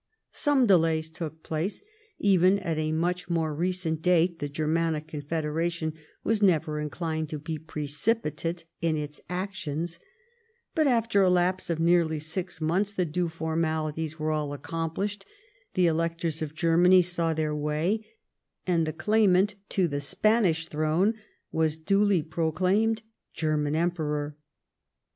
Some delays took place ; even at a much more recent date the Germanic Confederation was never inclined to be precipitate in its action ; but after a 4apse of nearly six months the due formalities were all accomplished, the Electors of Germany saw 44 THE REIGN OF QUEEN ANNE. oh. xxiii. their way, and the claimant to the Spanish throne was duly proclaimed German Emperor.